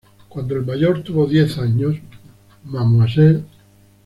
Cuando el mayor tuvo diez años, Mme.